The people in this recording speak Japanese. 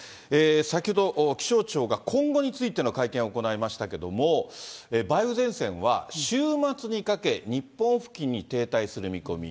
先ほど、気象庁が今後について会見を行いましたけども、梅雨前線は、週末にかけ、日本付近に停滞する見込み。